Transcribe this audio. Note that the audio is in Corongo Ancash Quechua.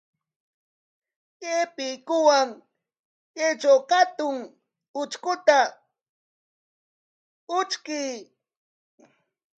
Kay piikuwan kaytraw hatun utrkuta utrkuy.